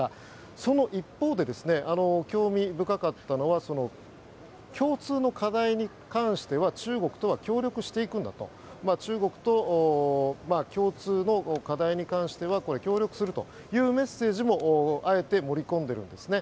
その一方で興味深かったのは共通の課題に関しては中国とは協力していくんだと中国と共通の課題に関してはこれ、協力するというメッセージもあえて盛り込んでいるんですね。